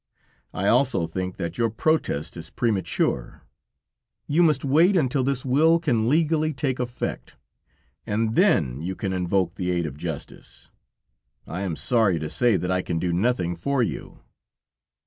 I also think that your protest is premature; you must wait until his will can legally take effect, and then you can invoke the aid of justice; I am sorry to say that I can do nothing for you."